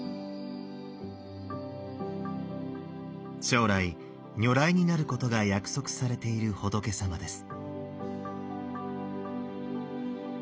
将来如来になることが約束されている仏様です。